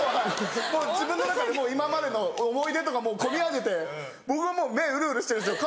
自分の中で今までの思い出とかもう込み上げて僕はもう目うるうるしてるんですよ。